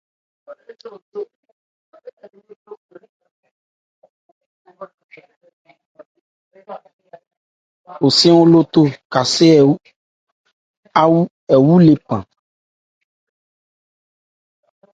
Ń gɛ nnɛn an ní nmwá-nmwá.